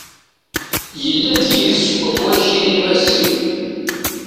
Yella d yid-s uṭwayci-nni n Massi.